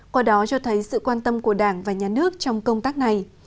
qua đó cho thấy sự quan tâm của đảng và nhà nước trong công tác này